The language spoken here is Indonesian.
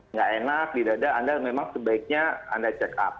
nggak enak di dada anda memang sebaiknya anda check up